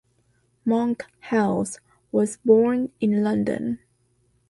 Monkhouse was born in London.